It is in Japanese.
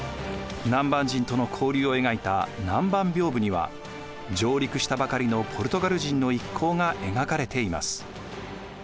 南蛮人との交流を描いた南蛮屏風には上陸したばかりのポルトガル人の一行が描かれています。